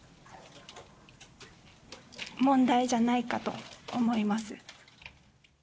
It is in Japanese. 問題じゃないかと思います。